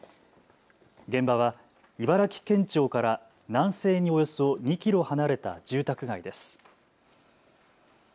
現場は茨城県庁から南西におよそ２キロ離れた住宅街です。